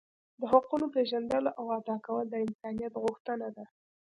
د حقونو پیژندل او ادا کول د انسانیت غوښتنه ده.